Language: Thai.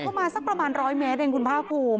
แล้วเดินเข้ามาสักประมาณ๑๐๐เมตรเองคุณภาคภูมิ